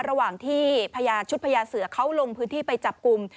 ระหว่างที่พญาชุดพญาเสือเขาลงพื้นที่ไปจับกลุ่ม